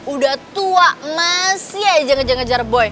udah tua masih aja ngejar ngejar boy